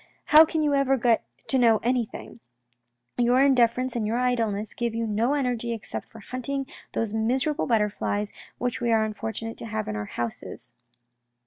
How can you ever get to know any thing ? Your indifference and your idleness give you no energy except for hunting those miserable butterflies, which we are unfortunate to have in our houses."